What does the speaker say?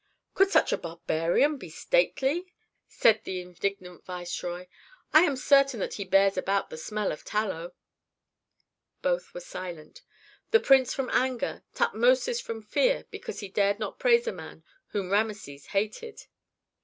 "Could such a barbarian be stately!" said the indignant viceroy. "I am certain that he bears about the smell of tallow." Both were silent: the prince from anger, Tutmosis from fear because he had dared to praise a man whom Rameses hated.